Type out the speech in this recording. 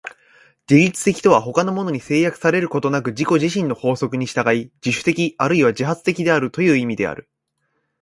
自律的とは他のものに制約されることなく自己自身の法則に従い、自主的あるいは自発的であるという意味である。